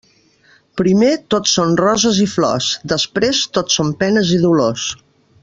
Primer tot són roses i flors, després tot són penes i dolors.